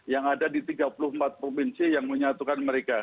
yang ada di tiga puluh empat provinsi yang menyatukan mereka